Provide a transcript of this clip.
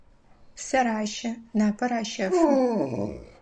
Псэр ащэ, напэр ащэфы.